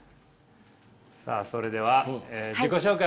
さあそれではえ自己紹介